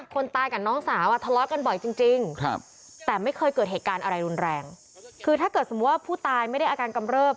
คนตายกับน้องสาวอ่ะทะเลาะกันบ่อยจริงแต่ไม่เคยเกิดเหตุการณ์อะไรรุนแรงคือถ้าเกิดสมมุติว่าผู้ตายไม่ได้อาการกำเริบ